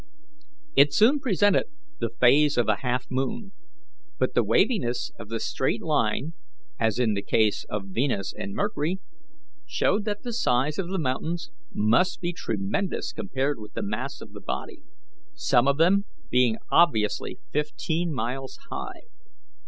It soon presented the phase of a half moon, but the waviness of the straight line, as in the case of Venus and Mercury, showed that the size of the mountains must be tremendous compared with the mass of the body, some of them being obviously fifteen miles high.